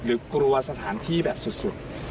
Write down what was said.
กลัวสถานที่แบบสุด